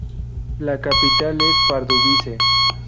La capital es Pardubice.